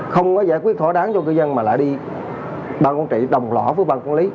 không có giải quyết thỏa đáng cho cư dân mà lại đi bang quản trị đồng lõ với ban quản lý